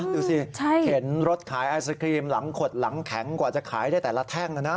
ดูสิเข็นรถขายไอศครีมหลังขดหลังแข็งกว่าจะขายได้แต่ละแท่งนะนะ